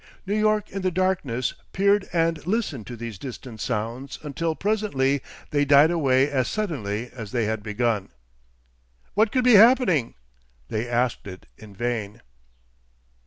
New York in the darkness peered and listened to these distant sounds until presently they died away as suddenly as they had begun. "What could be happening?" They asked it in vain.